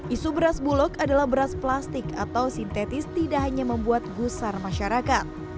isu beras bulog adalah beras plastik atau sintetis tidak hanya membuat gusar masyarakat